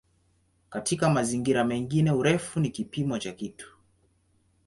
Katika mazingira mengine "urefu" ni kipimo cha kitu.